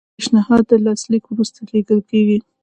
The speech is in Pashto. پیشنهاد د لاسلیک وروسته لیږل کیږي.